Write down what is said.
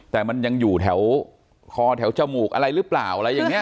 แต่มันยังอยู่แถวคอแถวจมูกอะไรหรือเปล่าอะไรอย่างนี้